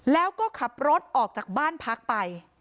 แล้วก็ขับรถออกจากบ้านพักไป